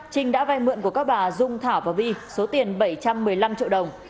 trinh đã vay mượn của các bà dung thả và vi số tiền bảy trăm một mươi năm triệu đồng